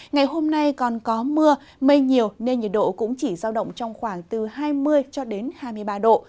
ngày hôm nay còn có mưa mây nhiều nên nhiệt độ cũng chỉ giao động trong khoảng từ hai mươi cho đến hai mươi ba độ